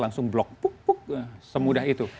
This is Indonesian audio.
langsung blok puk puk semudah itu